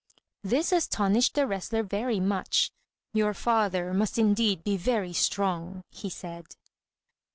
This astonished the wrestler very much. "Your father must indeed be very strong," he said.